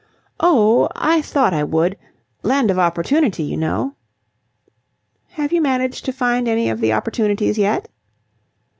"Oh, I thought I would. Land of opportunity, you know." "Have you managed to find any of the opportunities yet?"